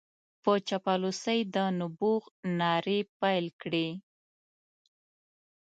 په چاپلوسۍ د نبوغ نارې پېل کړې.